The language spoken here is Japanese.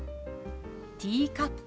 「ティーカップ」。